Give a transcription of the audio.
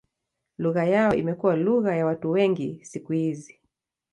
Lugha yao imekuwa lugha ya watu wengi siku hizi.